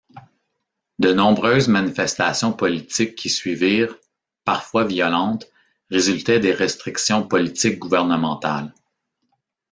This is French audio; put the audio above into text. De nombreuses manifestations politiques qui suivirent, parfois violentes, résultaient des restrictions politiques gouvernementales.